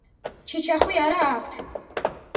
ჩიჩახვი არა აქვთ.